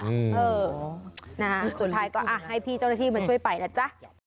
อืมอ๋อสุดท้ายก็อ่ะให้พี่เจ้าหน้าที่มาช่วยไปละจ๊ะ